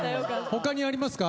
他にありますか？